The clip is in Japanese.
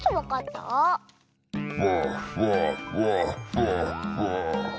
フォッフォッフォッフォッフォッ。